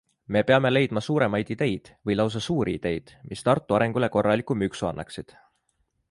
Me peame leidma suuremaid ideid - või lausa suuri ideid -, mis Tartu arengule korraliku müksu annaksid.